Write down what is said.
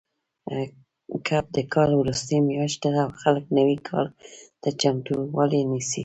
کب د کال وروستۍ میاشت ده او خلک نوي کال ته چمتووالی نیسي.